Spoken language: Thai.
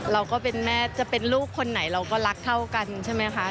เราก็เป็นแม่จะเป็นลูกคนไหนเราก็รักเท่ากันใช่ไหมคะ